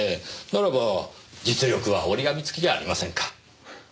ならば実力は折り紙付きじゃありませんか。